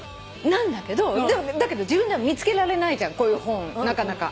なんだけど自分では見つけられないじゃんこういう本なかなか。